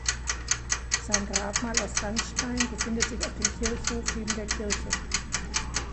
Sein Grabmal aus Sandstein befindet sich auf dem Kirchhof neben der Kirche.